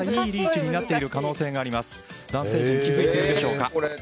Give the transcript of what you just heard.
男性陣、気づいているでしょうか。